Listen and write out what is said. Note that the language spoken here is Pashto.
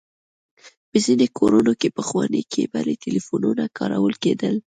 په ځينې کورونو کې پخواني کيبلي ټليفونونه کارول کېدل.